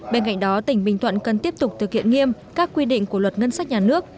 bên cạnh đó tỉnh bình thuận cần tiếp tục thực hiện nghiêm các quy định của luật ngân sách nhà nước